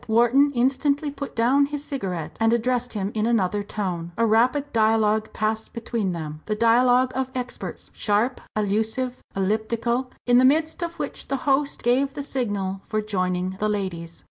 Wharton instantly put down his cigarette and addressed him in another tone. A rapid dialogue passed between them, the dialogue of experts, sharp, allusive, elliptical, in the midst of which the host gave the signal for joining the ladies.